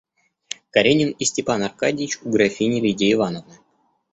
Каренин и Степан Аркадьич у графини Лидии Ивановны.